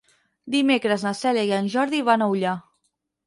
Dimecres na Cèlia i en Jordi van a Ullà.